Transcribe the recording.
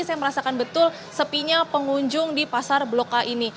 saya merasakan betul sepinya pengunjung di pasar blok a ini